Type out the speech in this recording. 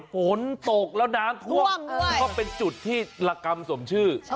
ฝนตกแล้วน้ำท่วมก็เป็นจุดที่ละกรรมสมชื่อ